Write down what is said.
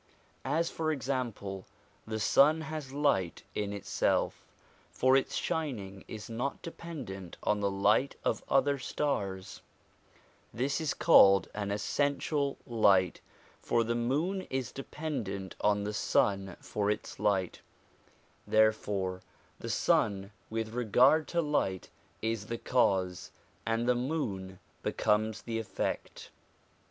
As, for example, the sun has light in itself, for its shining is not dependent on the light of other stars: this is called an essential light; but the light of the moon is received from the sun, for the moon is depen dent on the sun for its light ; therefore the sun, with regard to light, is the cause, and the moon becomes the effect.